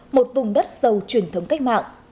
một vùng đất sâu truyền thống cách mạng